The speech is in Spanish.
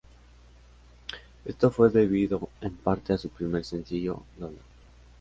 Esto fue debido, en parte, a su primer sencillo, "Lola".